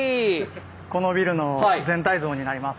このビルの全体像になります。